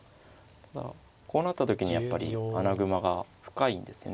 ただこうなった時にやっぱり穴熊が深いんですね。